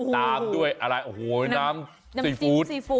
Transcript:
ตามด้วยน้ำซีฟู้ด